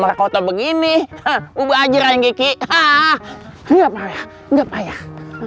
merekota begini uber aja yang gigi ah nggak payah nggak payah